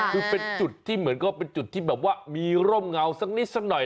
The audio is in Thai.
คือเป็นจุดที่เหมือนกับเป็นจุดที่แบบว่ามีร่มเงาสักนิดสักหน่อย